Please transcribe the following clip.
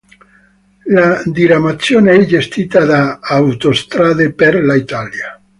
La diramazione è gestita da Autostrade per l'Italia.